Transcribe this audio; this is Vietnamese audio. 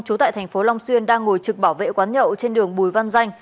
trú tại tp long xuyên đang ngồi trực bảo vệ quán nhậu trên đường bùi văn danh